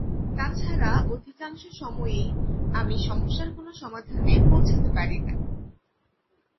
তা ছাড়া অধিকাংশ সময়ই আমি সমস্যার কোনো সমাধানে পৌঁছতে পারি না।